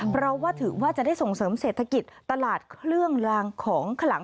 เพราะว่าถือว่าจะได้ส่งเสริมเศรษฐกิจตลาดเครื่องลางของขลัง